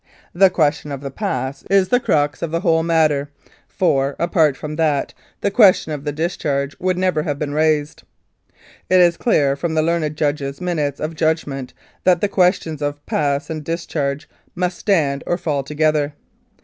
"The question of the pass is the crux of the whole J 137 Mounted Police Life in Canada matter, for, apart from that, the question of the dis charge would never have been raised. "It is clear from the learned Judge's minutes of judgment that the questions of ' Pass ' and ' Discharge ' must stand or fall together.